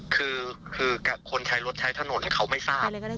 คือคนใช้รถใช้ถนนเขาไม่ทราบ